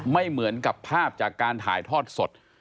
ไม่เหมือนกับภาพจากการถ่ายทอดสด